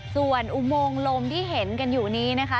ส่วนอุโมงลมที่เห็นกันอยู่นี้นะคะ